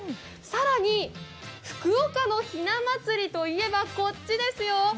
更に福岡のひな祭りといえばこっちですよ。